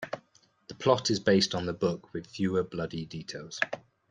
The plot is based on the book with fewer bloody details.